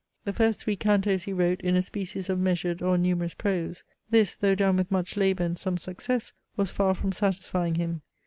The first three cantos he wrote in a species of measured or numerous prose. This, though done with much labour and some success, was far from satisfying him.